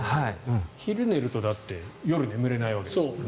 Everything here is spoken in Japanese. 昼寝ると夜眠れないわけですよね。